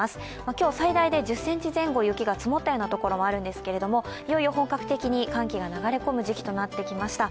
今日は最大で雪が１０ｃｍ程度降ったところもあるんですけれども、いよいよ本格的に寒気が流れ込む時期となってきました。